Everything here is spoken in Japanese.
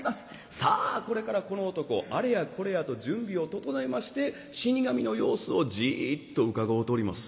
さあこれからこの男あれやこれやと準備を整えまして死神の様子をじっとうかごうとります。